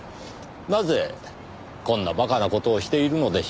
なぜこんな馬鹿な事をしているのでしょう？